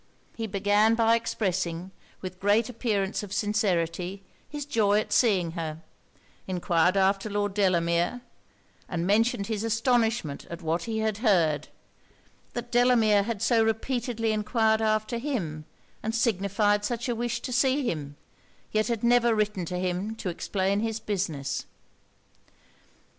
He began by expressing, with great appearance of sincerity, his joy at seeing her; enquired after Lord Delamere, and mentioned his astonishment at what he had heard that Delamere had so repeatedly enquired after him, and signified such a wish to see him, yet had never written to him to explain his business.